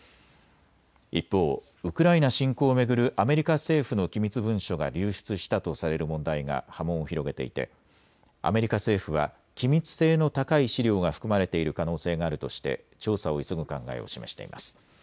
一方、ウクライナ侵攻を巡るアメリカ政府の機密文書が流出したとされる問題が波紋を広げていてアメリカ政府は機密性の高い資料が含まれている可能性があるとして調査を急ぐ考えを示しています。